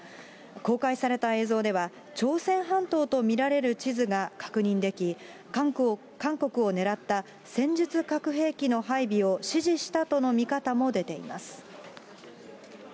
公開された映像では、朝鮮半島と見られる地図が確認でき、韓国を狙った戦術核兵器の配備を指示したとの見方も出ています。